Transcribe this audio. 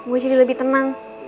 gue jadi lebih tenang